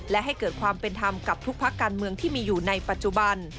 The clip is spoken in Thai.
และให้เกิดความเป็นธรรมกับทุกพักการเมืองที่มีอยู่ในปัจจุบัน